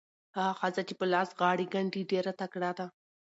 هغه ښځه چې په لاس غاړې ګنډي ډېره تکړه ده.